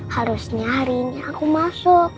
harusnya hari ini aku masuk